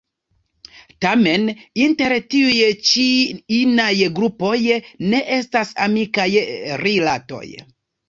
Tamen, inter tiuj ĉi inaj grupoj, ne estas amikaj rilatoj.